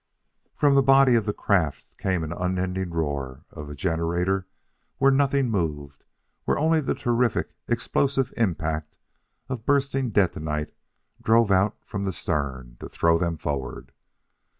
From the body of the craft came an unending roar of a generator where nothing moved; where only the terrific, explosive impact of bursting detonite drove out from the stern to throw them forward.